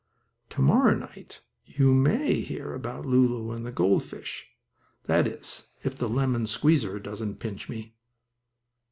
To morrow night you may hear about Lulu and the gold fish, that is if the lemon squeezer doesn't pinch me.